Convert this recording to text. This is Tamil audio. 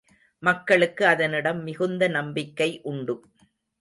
மக்களுக்கு அதனிடம் மிகுந்த நம்பிக்கை உண்டு.